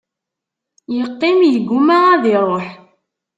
Yeqqim igumma ad iruḥ.